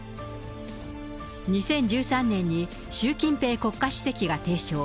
２０１３年に習近平国家主席が提唱。